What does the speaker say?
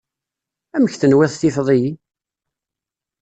Amek tenwiḍ tifeḍ-iyi?